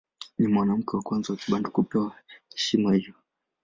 Ni mwanamke wa kwanza wa Kibantu kupewa heshima hiyo.